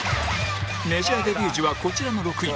メジャーデビュー時はこちらの６人